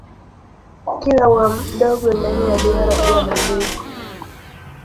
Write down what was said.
Kila ua mdogo ndani ya duara huwa na mbegu.